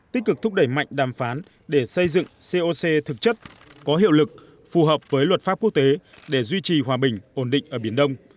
tích cực thúc đẩy mạnh đàm phán để xây dựng coc thực chất có hiệu lực phù hợp với luật pháp quốc tế để duy trì hòa bình ổn định ở biển đông